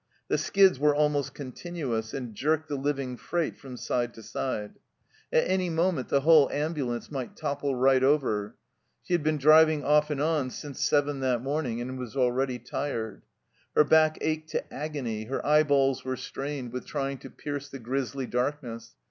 The skids were almost continuous, and jerked the living freight from side to side. At any moment 100 THE CELLAR HOUSE OF PERVYSft the whole ambulance might topple right over. She had been driving off and on since seven that morning, and was already tired. Her back ached to agony, her eyeballs were strained with trying to pierce the grisly darkness.